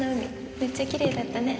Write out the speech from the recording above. めっちゃきれいだったね。